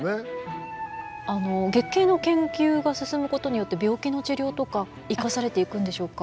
あの月経の研究が進むことによって病気の治療とか生かされていくんでしょうか？